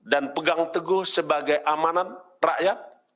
dan pegang teguh sebagai amanan rakyat